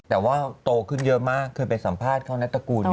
แต่ว่าโตขึ้นเยอะมากเคยไปสัมภาษณ์เขานัตรกูล